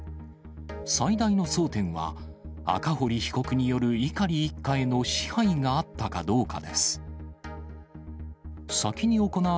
最大の争点は、赤堀被告による碇一家への支配があったかどうかです。